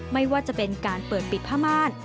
ไม่ว่าจะเป็นการเปิดปิดผ้าม่าน